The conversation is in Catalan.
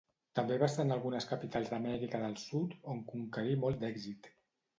També va estar en algunes capitals de l'Amèrica del Sud, on conquerí molt d'èxit.